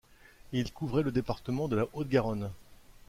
Il couvrait le département de la Haute-Garonne.